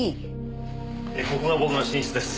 ここが僕の寝室です。